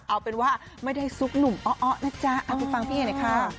เอาเป็นว่าไม่ได้ซุกหนุ่มอ้อนะจ๊ะเอาไปฟังพี่เอหน่อยค่ะ